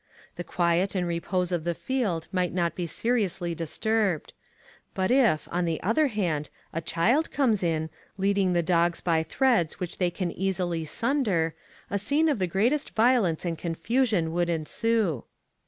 The quiet and repose of the field might not be seriously disturbed; but if, on the other hand, a child comes in, leading the dogs by threads which they can easily sunder, a scene of the greatest violence and confusion would ensue.